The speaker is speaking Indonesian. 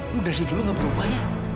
lu dari dulu gak berubah